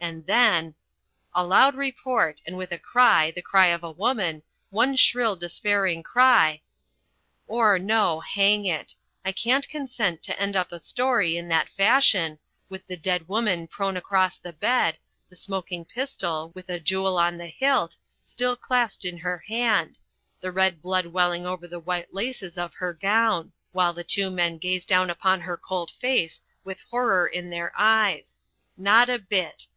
And then A loud report, and with a cry, the cry of a woman, one shrill despairing cry Or no, hang it I can't consent to end up a story in that fashion, with the dead woman prone across the bed, the smoking pistol, with a jewel on the hilt, still clasped in her hand the red blood welling over the white laces of her gown while the two men gaze down upon her cold face with horror in their eyes. Not a bit.